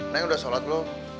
neng udah sholat belum